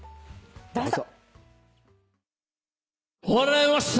どうぞ。